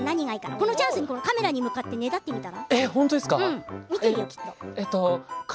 このチャンスにカメラに向かってねだってみたら？